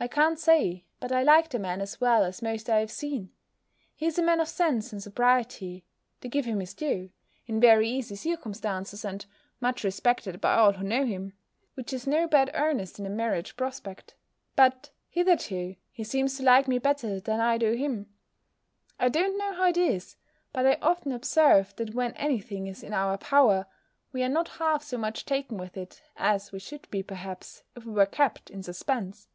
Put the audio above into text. I can't say, but I like the man as well as most I have seen; he is a man of sense and sobriety, to give him his due, in very easy circumstances, and much respected by all who know him; which is no bad earnest in a marriage prospect. But, hitherto, he seems to like me better than I do him. I don't know how it is; but I often observe, that when any thing is in our power, we are not half so much taken with it, as we should be, perhaps, if we were kept in suspense!